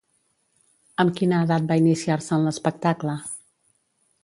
Amb quina edat va iniciar-se en l'espectacle?